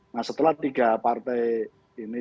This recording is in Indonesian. nah setelah tiga partai ini